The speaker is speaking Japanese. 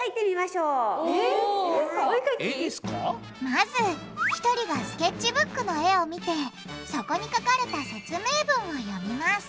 まず１人がスケッチブックの絵を見てそこに書かれた説明文を読みます。